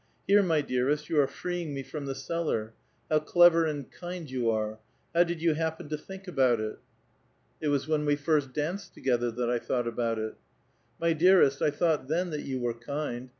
''Here, my dearest, you are freeing me from the cellar; how clever and kind you are. How did you happen to think about it?" A VITAL QUESTION. 119 *' It was when we first danced together, that I thought about it." " My dearest, I thought then that you were kind.